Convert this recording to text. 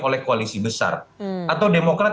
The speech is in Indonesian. oleh koalisi besar atau demokrat